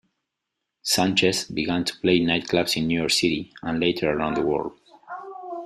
Sanchez began to play nightclubs in New York City, and later around the world.